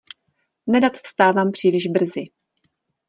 Nerad vstávám příliš brzy.